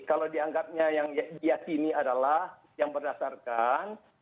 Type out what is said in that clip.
kalau dianggapnya yang diakini adalah yang berdasarkan